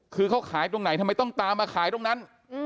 คือเขาขายตรงไหนทำไมต้องตามมาขายตรงนั้น